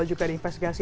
juga ada investigasi